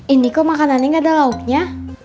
ini kok makanannya nggak ada lauknya